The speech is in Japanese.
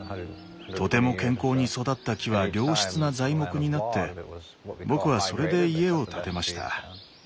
とても健康に育った木は良質な材木になって僕はそれで家を建てました。